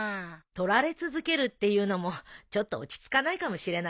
撮られ続けるっていうのもちょっと落ち着かないかもしれないわね。